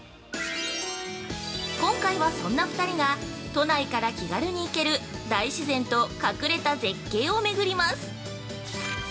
今回はそんな２人が、都内から気軽に行ける大自然と隠れた絶景を巡ります！